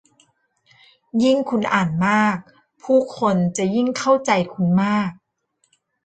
ยิ่งคุณอ่านมาก ผู้คนจะยิ่งเข้าใจคุณมาก